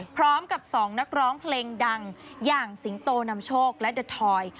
พร้อมกับ๒นักร้องเพลงดังอย่างสิงโตนำโชคและเดอร์ทอย